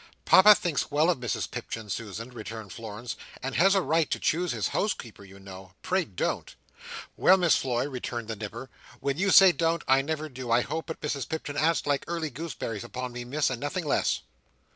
"Papa thinks well of Mrs Pipchin, Susan," returned Florence, "and has a right to choose his housekeeper, you know. Pray don't!" "Well Miss Floy," returned the Nipper, "when you say don't, I never do I hope but Mrs Pipchin acts like early gooseberries upon me Miss, and nothing less."